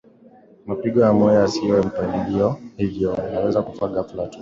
mapigo ya moyo yasiyo na mpangilio hivyo unaweza kufa ghafla tu